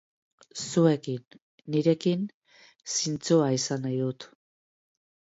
Zuekin, nirekin, zintzoa izan nahi dut.